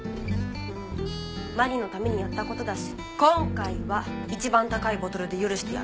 愛鈴のためにやった事だし今回は一番高いボトルで許してやる。